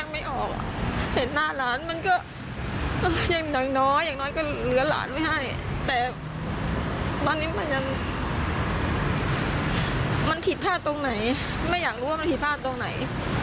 ไม่อยากรู้ว่ากัดที่ตายป่าวไหน